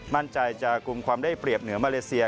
มั่นใจจะกลุ่มความได้เปรียบเหนือมาเลเซีย